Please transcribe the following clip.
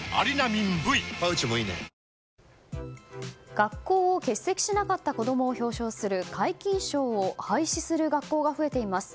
学校を欠席しなかった子供を表彰する皆勤賞を廃止する学校が増えています。